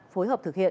phối hợp thực hiện